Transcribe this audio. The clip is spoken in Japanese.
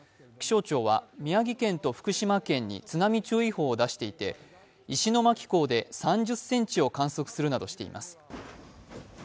気象庁は宮城県と福島県に津波注意報を出していて、石巻港で３０センチを観測するなどしています。